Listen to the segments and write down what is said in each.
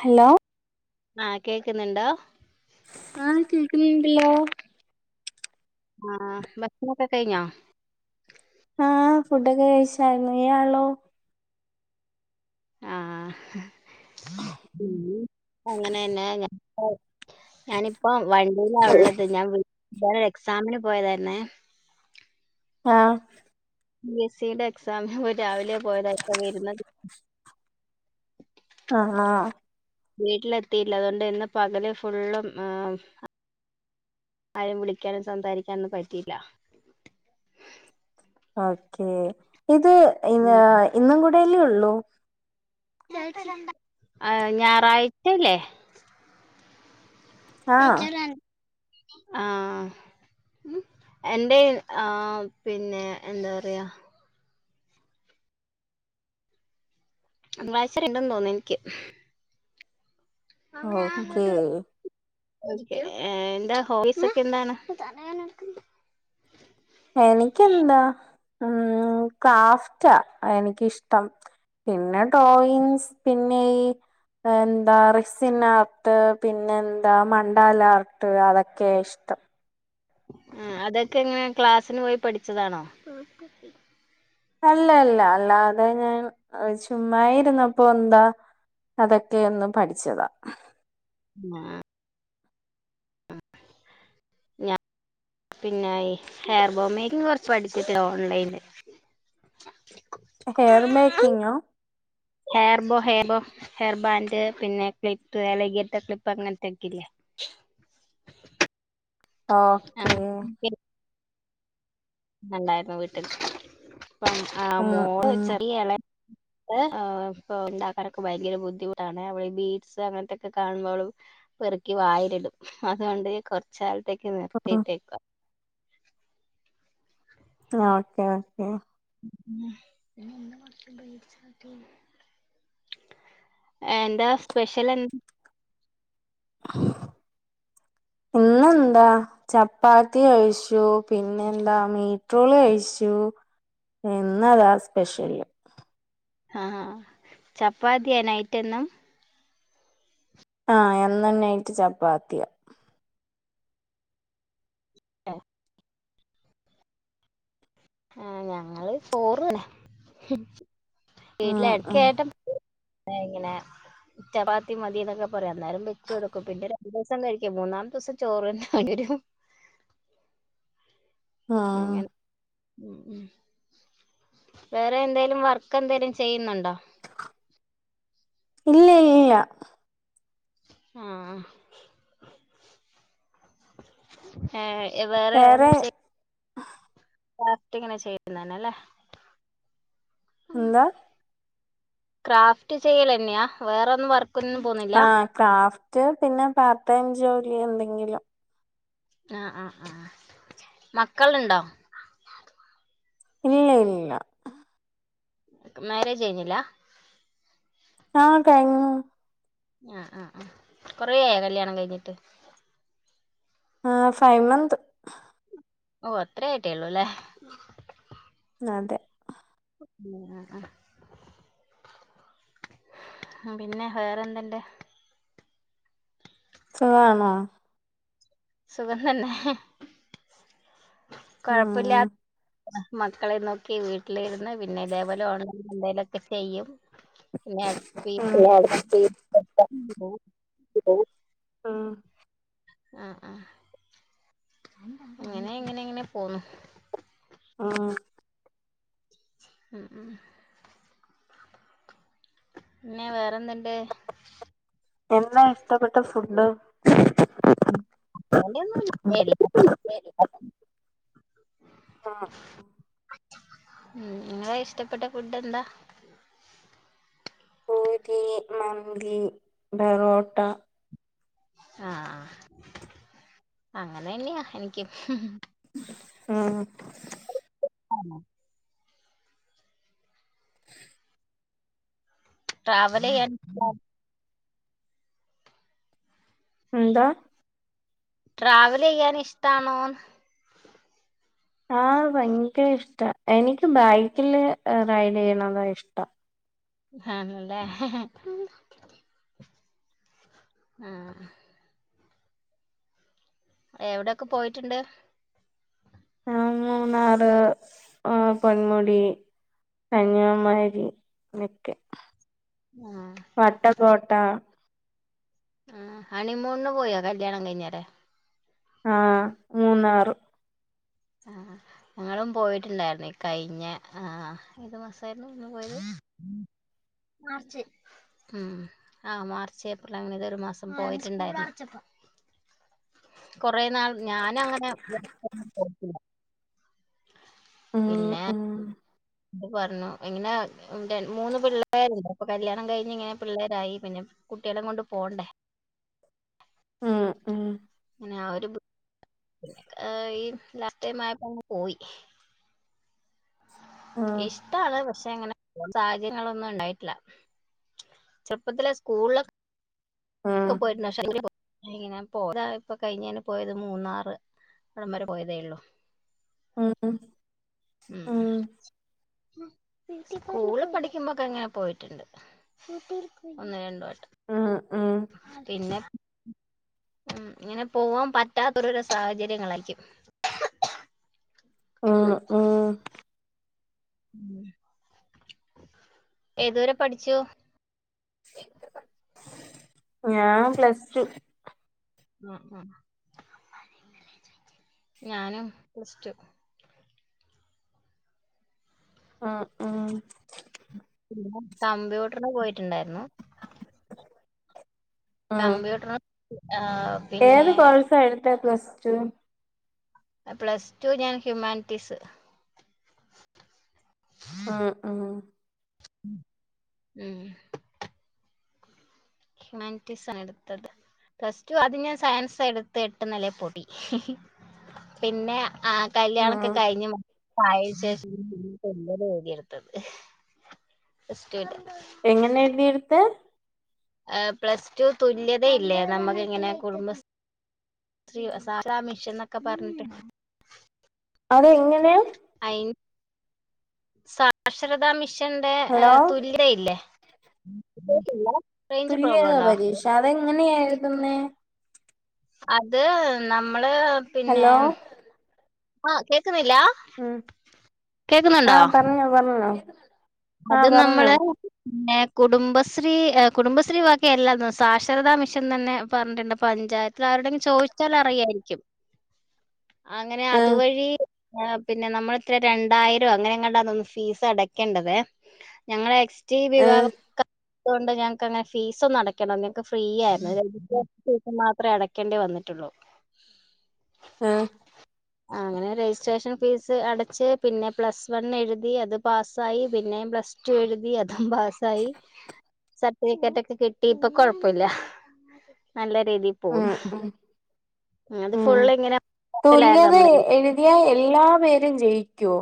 Hello ആഹ, കേക്കുന്നുണ്ടോ? ആഹ, കക്കുന്നുണ്ടല്ലോ. ആഹ ഭക്മുക്കെ കഴിഞ്ഞോ? ആഹ, ഫുഡൊക്കെ കഴിച്ചായിരുന്നു. ഈയ്യാളോ? ആഹ് അങ്ങനെന്നെ അങ്ങ ഞാനിപ്പോ വണ്ടിയിലാ ഉള്ളത് ഞാൻ എക്സാമിന് പോയതായിരുന്നേ ആഹ് ബി എസ് സുടെ എക്സാമി പോ രാവിലെ പോയത ഇപ്പോ വരുന്നത് ആഹ് ആഹ് വീട്ടിലെത്തിയില്ല, അതുകൊണ്ട് ഇന്ന് പകല് ഫുള്ളും ആഹ് ആരും വിളിക്കാനും സംസാരിക്കാനൊന്നും പറ്റിയില്ല ഓക്കേ ഇത് ഇന്ന് ആഹ് ഇന്നും കൂടെല്ലേ ഉള്ളൂ ആഹ് ഞായറാഴ്ചല്ലേ? ആഹ് ആഹ് ഉം എന്റെറെ ആഹ് പിന്നെ എന്താ പറയാ ങ്ങളായിച്ചരണ്ടെന്ന് തോന്നുന്നു എൻക്കി ഓക്കേ [unintelligible] എന്താ ഹോയ്സ് ഒക്കെ എന്താണ് എനക്ക് എന്താ ഉം ക്രാഫ്റ്റാ എനിക്കിഷ്ടം പിന്നെ ടോയിൻസ് പിന്നെ ഈ എന്താ റിസിൻ ആർട്ട് പിന്നെ എന്താ മണ്ടാൽ ആർട്ട് അതൊക്കെയ ഇഷ്ടം ഉം അതൊക്കെ എങ്ങനെ ക്ലാസ്സിന് പോയി പഠിച്ചതാണോ [unintelligible] അല്ലല്ല അല്ലാതെ ഞാൻ ചുമ്മാ ഇരുന്നപ്പോ എന്താ അതൊക്കെ ഇന്ന് പഠിച്ചതാ ആഹ് ഞാൻ പിന്നെ ഹെയർ ബോം മേക്കിങ് കുറച്ച് പഠിച്ചട്ടില്ലോ ഓൺലൈനില് ഹെയർ മേക്കിംഗോ hair bow hair bow hair band പിന്നെ ക്ലിപ്പ് ലകീത്തെ ക്ലിപ്പ് അങ്ങനത്തെ ഒക്കെ ഇല്ലേ ഓക്കേ ണ്ടായിരുന്നു വീട്ടില് ഇപ്പം ആ ആഹ് മോള് ആഹ് ചെറിയ എളേ ഏ ആ ഇപ്പ ഉണ്ടാക്കാനൊക്കെ ഭയങ്കര ബുദ്ധിമുട്ടാണ് അവിടെ ഈ ബീൻസ് അങ്ങനത്തെക്കെ കാണുമ്പോള് പെറുക്കി വായിലിടും അതുകൊണ്ട് കൊറച്ച് കാലത്തേക്ക് ആഹ് നിർത്തിട്ടേക്കു വാ [unintelligible] ഉം എന്താ സ്പെഷലെന്ത് ഇന്നെന്താ ചപ്പാത്തി കഴിച്ചു പിന്നെന്താ മീറ്റ്റോള് കഴിച്ചു ഇന്നതാ സ്പെഷ്യല് ഹാ ഹാ ആഹ് ചപ്പാത്തിയാ നൈറ്റ് ഇന്ന് ആഹ് എന്നും നൈറ്റ് ചപ്പാത്തിയാ ആഹ് ആ ഞങ്ങള് ചോറ് തിന്നാ ഹ് വീട്ടില് ഉം ഉം എടക്കായിട്ടും ഏഹ് എങ്ങനെ ചപ്പാത്തി മതീന്നൊക്കെ ഒരേന്നേരം വെച്ച് കൊടുക്കും പിന്നെ രണ്ട് ദിവസം കഴിക്കും മൂന്നാം ദിവസം ചോറ് തന്നെ വേണ്ടേരും ഹ് ഉം അങ്ങനെ ഉം ഉം വേറെ എന്തേലും വർ ഇക്കന്തേലും ചെയ്യുന്നുണ്ടോ ഇല്ലയില്ല ആഹ ഏ വേറെ എന്താച്ച ലാസ്റ്റിങ്ങനെ ചെയ്യുന്നേനേല്ലേ എന്താ ക്രാഫ്റ്റ് ചെയ്യലന്നെയാ വേറൊന്നും വർക്കൊന്നും പോവുന്നില്ലാ ആഹ് ക്രാഫ്റ്റ് പിന്നെ പാർട്ട് ടൈം ജോലി എന്തെങ്കിലും ആഹ് ആഹ് ആഹ് മക്കളിണ്ടോ ഇല്ല ഇല്ല ഇല്ല നിങ്ങക്ക് മാരേജ് കഴഞ്ഞില്ലാ ആഹ് കഴിഞ്ഞു ആഹ്ആഹ് ആഹ് കൊറെ ആയോ കല്യാണം കഴിഞ്ഞിട്ട് ആ ഫൈവ് മന്ത് ഓ അത്രേ ആയിട്ടേ ഉള്ളൂ അല്ലേ ന്നാഅതെ ഉം [inaudible] അ പിന്നെ വേറെന്ത്ണ്ട് സുഖാണോ സുഖം തന്നെ ഹ് കൊഴപ്പുല്ല ഉം മക്കളെ നോക്കി വീട്ടിലിരുന്ന് പിന്നെ ഇതേപോലെ ഓൺലൈൻ എന്തേ ലൊക്കെ ചെയ്യും എല്ലായിടത്തും [unintelligible] [unintelligible] ആ ആ ഇങ്ങനെ ഇങ്ങനെ ഇങ്ങനെ പോകുന്നു ഉം ഹ് ആ പിന്നെ വേറെന്ത്ണ്ട് എന്നാ ഇഷ്ടപ്പെട്ട ഫുഡ് [inaudible] അങ്ങിനെയൊന്നുല്ല എല്ലാ [inaudible] ആഹ് ഉം നിങ്ങളെ ഇഷ്ടപ്പെട്ട ഫുഡ് എന്താ പൂരി മന്തി ബെറോട്ട ആഹ് ആ ആ അങ്ങനെന്നെയാ എനിക്കും ഹും ഹും ആഹ് [inaudible] ട്രാവല് ചെയ്യാൻ. എന്താ ട്രാവല് ചെയ്യാൻ ഇഷ്ടാണോന്ന് ആഹ് ഭയങ്കര ഇഷ്ട എനിക്ക് ബൈക്കില് റൈഡ് ചെയ്യണതാ ഇഷ്ടം. ആണല്ലേ ഹ ഹ ആഹ് എവിടെയൊക്കെ പോയിട്ടുണ്ട്. ആ മൂന്നാറ് ആ പൊൻമുടി കന്യാകുമാരി നിക്കെ ആഹ് പാട്ട് കേട്ടാ ആ ഹണിമൂണ് പോയോ കല്യാണം കഴിഞ്ഞേ ടെ ആഹ് മൂന്നാറ്. ആഹ് ഞങ്ങളും പോയിട്ടുണ്ടായിരുന്നു കഴിഞ്ഞ ആഹ് ഏത് മാസായിരുന്നു നിങ്ങ പോയത് മാർച്ചിൽ. ഉം ആ മാർച്ച്, ഏപ്രിൽ അങ്ങനെതോഒരു മാസം പോയിട്ടുണ്ടായിരുന്നു കുറെ നാൾ ഞാൻ അങ്ങനെ ഉം പിന്നെ ഉം ഇത് പറഞ്ഞു ഇങ്ങനെ മൂന്ന് പിള്ളേരുണ്ട് അപ്പൊ കല്യാണം കഴിഞ്ഞ് ഇങ്ങനെ പിള്ളേരായി പിന്നെ കുട്ടികളെ കൊണ്ട് പോകണ്ടേ ഉം ഉം ആ ഒരു ബുദ്ധി ഈ ലാസ്റ്റ് ടൈം ആയപ്പോ അങ്ങ് പോയി ഉം ഇഷ്ടാണ് പക്ഷ പിന്നെഅങ്ങനെ സാഹചര്യങ്ങളൊന്നും ഉണ്ടായിട്ടില്ല. ചെറുപ്പത്തിലെ സ്കൂളില് ഉം [unintelligible] ഇങ്ങനെ പോരാ ഇപ്പൊ കഴിഞ്ഞേന് പോയത് മൂന്നാറ് അവിടം വരെ പോയതേള്ളു. ഉം ഉം ഉം സ്കൂളിൽ പഠിക്കുമ്പോക്കെ ഇങ്ങനെ പോയിട്ടുണ്ട് ഒന്ന് രണ്ടു വട്ടം ഉം ഉം പിന്നെ ഇങ്ങനെ പോവാൻ പറ്റാത്തോരു സാഹചര്യങ്ങളായിരിക്കും. [unintelligible] ഉം ഏതുവരെ പഠിച്ചു. ഞാൻ പ്ലസ് ടു ന ന ഞാനും പ്ലസ് ടു ആഹ് ആഹ് പിന്നെ കമ്പ്യൂട്ടറിന് പോയിട്ടുണ്ടായിരുന്നു. ഉം കമ്പ്യൂട്ടർ ആഹ് ഏത് പിന്നെ കോഴ്സാ എടുത്ത പ്ലസ് ടു. പ്ലസ് ടു ഞാൻ ഹ്യൂമാനിറ്റീസ് ഉം മം ഉം ഹ്യൂമാനിറ്റീസ് ആ ണ്എടുത്തത് പ്ലസ് ടു അത് ഞാൻ സയൻസാ എടുത്ത് എട്ട് നില പൊട്ടി പിന്നെ ആ കല്യാണൊക്കെ ഉം കഴിഞ്ഞു പ്പായേന്ശേഷം എട്ത്തത് ഫസ്റ്റായിട്ട് എങ്ങനെ എഴുതി എടുത്തേ ഏഹ് പ്ലസ് ടു തുല്യതയില്ലേ നമ്മക്കിങ്ങനെ കുടുംമ്പസ് സ്രി സാധാമിഷൻന്നൊക്കെ പറഞ്ഞ്ട്ട്. അതെങ്ങനെ? അയ് സാക്ഷരതാ മിഷന്റെ ഹലോ ഏഹ് തുല്യതയില്ലേ? റേഞ്ച് പ്രോബ്ലം തുല്ല്യതാ ഉണ്ടോ പരീഷ അതെങ്ങനെഴ്ത്ന്നെ? അത് നമ്മള് പിന്നെ ഹലോ ആഹ് കേക്കുന്നില്ല? ഉം കേക്കുന്നുണ്ടോ ആഹ് പറഞ്ഞോ പറഞ്ഞോ. അത് ആഹ് പറഞ്ഞോ നമ്മള്. ന്നെ കുടുംബശ്രീ ഏഹ് കുടുംബശ്രീ ബാക്കിയെ എല്ലാര്ന്ന് സാക്ഷരതാ മിഷൻ തന്നെ പർഞ്ഞ്ട്ട്ണ്ട് പഞ്ചായ ത്താരോട്ക്കെ ചോയ്ച്ചാലറയായിരിക്കും അങ്ങനെ ആഹ് അതുവഴി. ആഹ് പിന്നെ നമ്മളെത്രെ രണ്ടായിരൊ അങ്ങനെങ്ങാണ്ടോ തോന്ന് ഫീസ് അടക്കേണ്ടതെ ഞങ്ങളെ എ ആഹ് റ്റീവിവാവ ക അതുകൊണ്ട് ഞങ് ക്കങ്ങനെ ഫീസ് ഒന്നും അടക്കണം ഞങ്ങക്ക് ഫ്രീ ആയിരുന്നു വിദ്യാത്ഥി ഫീസ് മാത്രേ അട ക്കേണ്ടി വന്നിട്ടുള്ളു. ആഹ്. ആഹ്. അങ്ങനെ രജിസ്ട്രേഷൻ ഫീസ് അടച്ച് പിന്നെ പ്ലസ് വൺ എഴുതി അത് പാസ്സായി. പിന്നേം പ്ലസ് ടു എഴുതി അതും പാസ്സായി. സർട്ടിഫിക്കറ്റൊക്കെ കിട്ടി ഇപ്പൊ കൊഴപ്പുല്ല നല്ല രീതി. ഉം പോന്ന് ഉം ങ്ങത് ഉം ഫുള്ള് ഇങ്ങനെ. [unintelligible] ഏഹ് എല്ലാ പേരും ജയിക്കോ?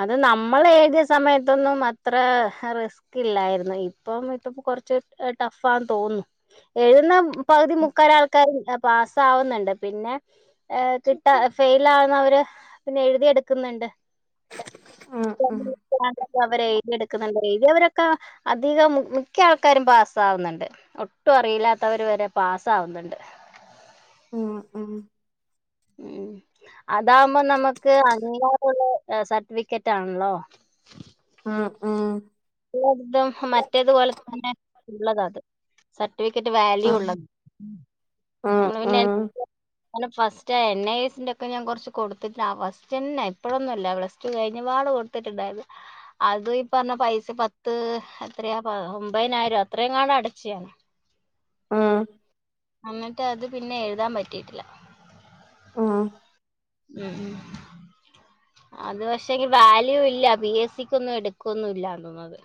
അത് നമ്മൾ എഴ്തിയ സമയത്തൊന്നും അത്ര ഹ് റിസ് ക്കില്ലായിര്ന്ന് ഇപ്പം ഇപ്പപ്പ കൊറച്ച് ഏഹ് ടഫാന്ന് തോന്ന്ന്നു എഴ്ത്ന്ന. പകുതി മുക്കാൽ ആൾക്കാരും എ പാസ്സാവ്ന്ന്ണ്ട് പിന്നെ. ഏഹ് കിട്ടാ ഫെെൽ ആവുന്നവര് പിന്നെ എഴ്തിയെട്ക്ക്‌ന്ന്ണ്ട്. ഉം ഉം [unintelligible] ക്ക വരെഴ്തിയെട്ക്ക്ന്ന്ണ്ട് എഴ്തിയവരൊക്കെ അധികം മ് മിക്ക ആൾക്കാരും പാസ്സാവുന്നുണ്ട്. ഒട്ടും അറിയില്ലാത്തവര് വരെ പാസാവ്ന്ന്ണ്ട്. ഉം ഉം. ഉം അതാവുമ്പോ നമക്ക് അങ്ങീകാരുള്ള ഏഹ് സർട്ടിഫിക്കറ്റാണല്ലോ. ഉം ഉം. [unintelligible] തും മറ്റേത്പോലെ തന്നെ ഉള്ളതാത് സർട്ടിഫിക്കറ്റ് ഉം വാല്യൂള്ളത്. ഉം നമ്മള് പിന്നെ. ഉം [unintelligible] അങ്ങനെ ഫസ്റ്റാ എൻ ഐ എസിന്റെ ഒക്കെ ഞാൻ കൊർച്ച് കൊട്ത്തിട്ട് ആ ഫസ്റ്റെന്നെ ഇപ്പഴൊന്നും അല്ല പ്ലസ്. റ്റു കൈഞ്ഞ പാടെ കൊട്ത്ത്ട്ട്ണ്ടായിര്ന്ന്. അത് ഇപ്പർഞ്ഞ പൈസ പത്ത് എത്രയാ പ ഒമ്പഹ്നായിരൊ അത്രയെങ്ങാണ്ടൊ അടച്ച് ഞാന് ആഹ് എന്നിട്ട് അത് പിന്നെ എഴ്താൻ പറ്റീട്ടില്ല. ആഹ് ഉം ഉം അത് പഷേ ഇ വാല്യൂ ഇല്ല പി എസ് സിക്കൊന്നും എട്ക്കൊന്നും ഇല്ലാന്ന് തോന്ന്.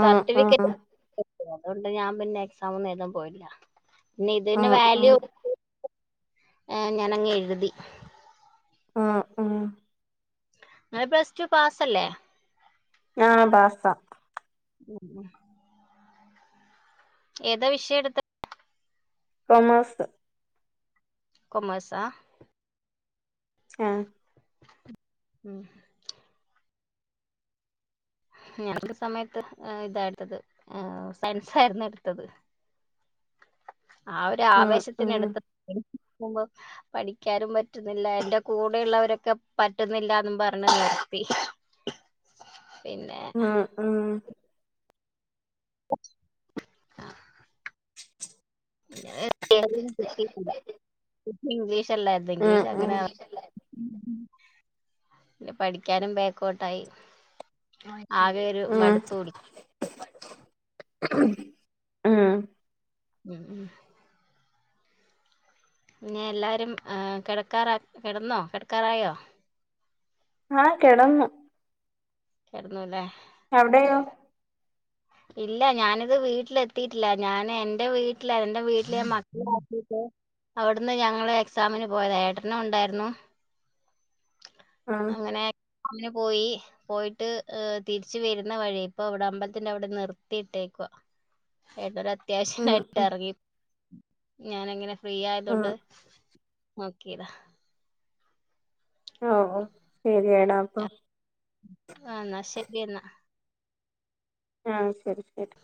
ഉം ഉം സർട്ടിഫിക്കറ്റ് [inaudible] അതുകൊണ്ട് ഞാൻ പിന്നെ എക്സാമൊന്നും എഴ്താൻ പോയില്ല. നെ ഇതിന്റെ ഉം ഉം വാല്യു. ഏഹ് ഞാനങ്ങ് എഴ്തി. ആഹ് ആഹ് ങ്ങള് പ്ലസ് ടു പാസല്ലേ? ആഹ് പാസ. ഉം ഉം ഏതാ വിഷയെട്ത്തെ? കോമേഴ്സ് കൊമേഴ്സാ ആഹ് ഉംമ് ഞാ [unintelligible] സമയത്ത് ഏഹ് ഇതാട്ത്തത് സയൻസായിരുന്നു എട്ത്തത് ആ ഉം ഉം ഒരാവേശത്തിനെടുത്ത [inaudible] പഠിക്കാനും പറ്റുന്നില്ല എന്റെ കൂടെയുള്ളവരൊക്കെ പറ്റുന്നില്ലാന്നും പറഞ്ഞ് നിർത്തി. പിന്നേ ആഹ് [inaudible] [unintelligible] ഇംഗ്ലീഷല്ലായിരുന്നു ഉം ഉം ഇംഗ്ലീഷങ്ങനെ [unintelligible] പിന്നെ പഠിക്കാനും ബേക്കോട്ടായി ആകെയൊരു മടുപ്പ് കുടി [unintelligible] മ്മ്ഹ് മ്മ്ഹ് പിന്നെയെല്ലാരും ആ കെടക്കാറാ കെടന്നോ കെടക്കാറായോ? ആഹ് കെടന്ന് കെടന്നൂലെ അവിടെയോ [inaudible] ഇല്ല ഞാനിത് വീട്ടിലെത്തിയിട്ടില്ല ഞാനെന്റെ വീട്ടിലാ എന്റെ വീട്ടില് മക്കളാക്കീട്ട് അവ്ട്ന്ന് ഞങ്ങളെക്സാമിന് പോയതാ ഏട്ടനുണ്ടായിര് ന്നു ഉം അങ്ങനെ [unintelligible] മിന് പോയി പോയിട്ട് ട്ട് ഏഹ് തിരിച്ച് വരുന്ന വഴി ഇപ്പവ്ടെ അമ്പലത്തിന്റവ്ടെ നിർത്തിയിട്ടേക്കുവ ഉം ഉം ഏട്ടൊരത്യാവശ്യായിട്ട്റങ്ങി ഞാനങ്ങനെ ഫ്രീയായതോണ്ട് ഉം നോക്കീതാ ഒ ഓ ശെരിയടാ അപ്പം ആഹ് ന്നാ ശര്യേന്നാ ആഹ് ശരിശരി